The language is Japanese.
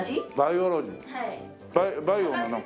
バイオなの？